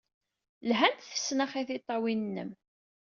Lhant tfesnax i tiṭṭawin-nnem.